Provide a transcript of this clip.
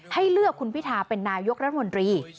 ให้เลือกคุณพิทาเป็นนายกรัฐมนตรี